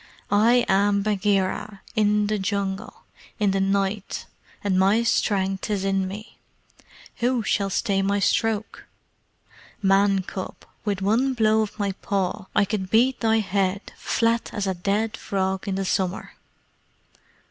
"I am Bagheera in the jungle in the night, and my strength is in me. Who shall stay my stroke? Man cub, with one blow of my paw I could beat thy head flat as a dead frog in the summer!"